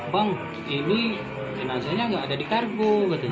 bang ini jenazahnya tidak ada di kargo